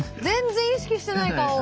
全然意識してない顔。